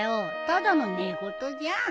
ただの寝言じゃん。